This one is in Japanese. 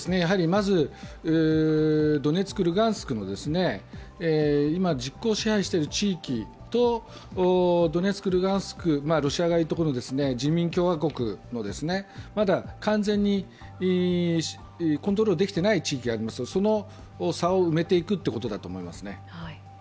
まず、ドネツク、ルガンスの今、実効支配している地域とドネツク、ルハンシクロシア側がいるところの人民共和国のまだ完全にコントロールできていない地域がありますが、その差を埋めていくということだと思いますね。